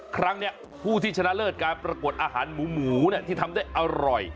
ครั้งนี้ผู้ที่ชนะเลิศการปรากฏอาหารหมูที่ทำได้อร่อย